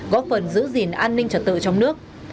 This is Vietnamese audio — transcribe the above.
góp phần giữ gìn an ninh trật tự trong nước